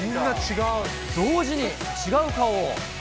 同時に違う顔を。